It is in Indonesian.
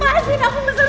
lepasin aku mas arman